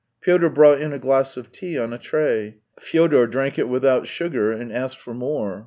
Pyotr brought in a glass of tea on a tray. Fyodor drank it without sugar, and asked for more.